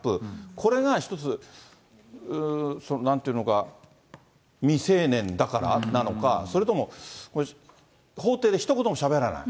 これが一つ、なんというのか、未成年だからなのか、それとも法廷でひと言もしゃべらない。